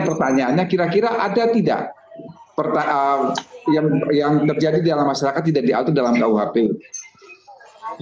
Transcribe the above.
dua persen kemudian bertanya kira kira ada tidak yang penyata di dalam masyarakat tidak diatur dalam kau hp yang ke dua kalau itu kalau itu no believe di dalam masyarakat tidak diatur dalam kh politik yang harus